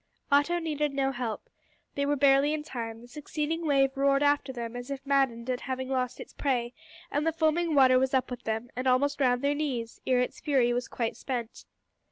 Otto needed no help. They were barely in time. The succeeding wave roared after them as if maddened at having lost its prey, and the foaming water was up with them, and almost round their knees, ere its fury was quite spent.